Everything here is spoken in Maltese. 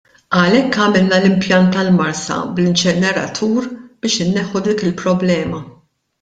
Għalhekk għamilna l-impjant tal-Marsa bl-inċineratur biex inneħħu dik il-problema.